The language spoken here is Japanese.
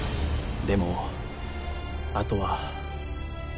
でもあとは。